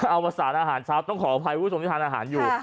เอาประสานอาหารเช้าต้องขออภัยคุณผู้ชมที่ทานอาหารอยู่